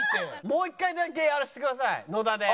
もう一回だけやらせてください野田で。